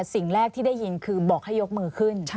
สิ่งแรกที่ได้ยินคือบอกให้ยกมือขึ้น